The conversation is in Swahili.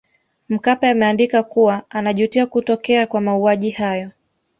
Mkapa ameandika kuwa anajutia kutokea kwa mauaji hayo